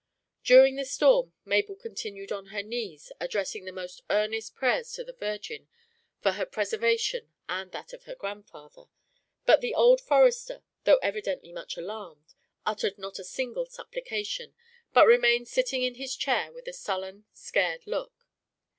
During the storm Mabel continued on her knees, addressing the most earnest prayers to the Virgin for her preservation and that of her grandfather; but the old forester, though evidently much alarmed, uttered not a single supplication, but remained sitting in his chair with a sullen, scared look.